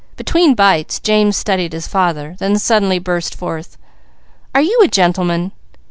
Between bites James studied his father, then suddenly burst forth: "Are you a gentleman?"